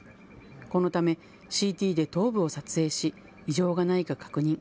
このためＣＴで頭部を撮影し異常がないか確認。